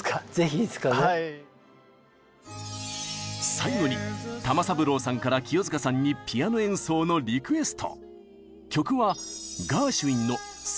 最後に玉三郎さんから清塚さんにピアノ演奏のリクエスト！